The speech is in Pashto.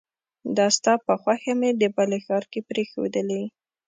دا ستا په خوښه مې د بلې ښار کې پريښودلې